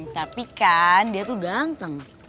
tapi kan dia tuh ganteng